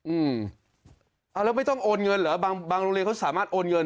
อืมเอาแล้วไม่ต้องโอนเงินเหรอบางบางโรงเรียนเขาสามารถโอนเงิน